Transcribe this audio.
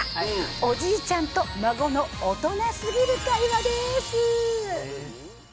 おじいちゃんと孫の大人すぎる会話でーす。